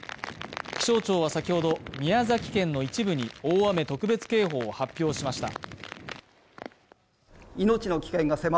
気象庁は先ほど、宮崎県の一部に大雨特別警報を発表しました。